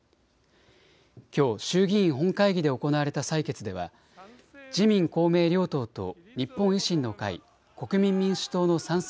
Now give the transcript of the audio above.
きょう衆議院本会議で行われた採決では自民公明両党と日本維新の会、国民民主党の賛成